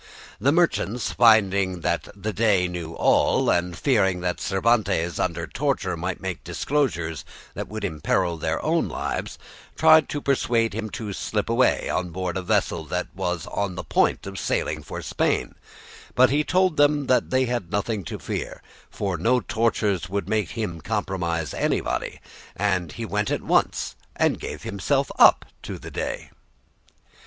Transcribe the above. The merchants finding that the Dey knew all, and fearing that Cervantes under torture might make disclosures that would imperil their own lives, tried to persuade him to slip away on board a vessel that was on the point of sailing for Spain; but he told them they had nothing to fear, for no tortures would make him compromise anybody, and he went at once and gave himself up to the Dey.